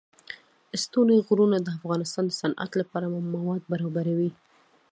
ستوني غرونه د افغانستان د صنعت لپاره مواد برابروي.